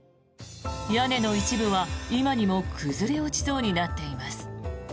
屋根の一部は、今にも崩れ落ちそうになっています。